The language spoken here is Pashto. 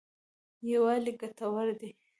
یوالی ګټور دی.